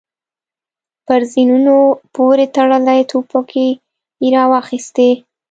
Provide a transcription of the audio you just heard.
پر زينونو پورې تړلې ټوپکې يې را واخيستې.